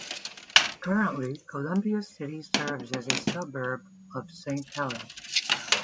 Currently, Columbia City serves as a suburb of Saint Helens.